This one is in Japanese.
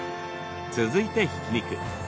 続いて、ひき肉。